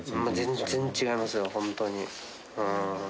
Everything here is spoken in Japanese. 全然違いますよ、本当に。